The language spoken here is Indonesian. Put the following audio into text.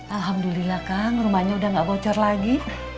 alhamdulillah kang rumahnya udah gak bocor lagi